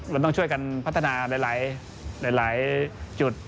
เราต้องช่วยกันพัฒนาหลายจุด